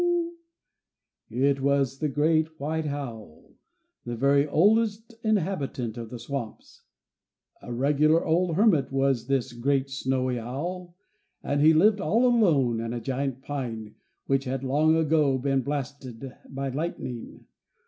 It was the great white owl, the very oldest inhabitant of the swamps; a regular old hermit was this great snowy owl, and he lived all alone in a giant pine, which had long ago been blasted by lightning.